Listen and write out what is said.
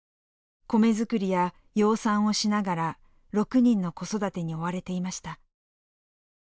米作りや養蚕をしながら６人の子育てに追われていました。